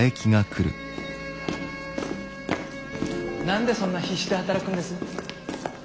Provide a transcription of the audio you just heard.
何でそんな必死で働くんです？